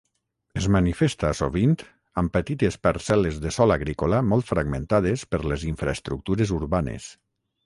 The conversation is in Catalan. Es manifesta sovint amb petites parcel·les de sòl agrícola molt fragmentades per les infraestructures urbanes.